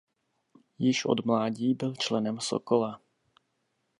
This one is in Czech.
Již od mládí byl členem Sokola.